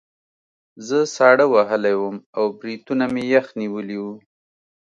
زه ساړه وهلی وم او بریتونه مې یخ نیولي وو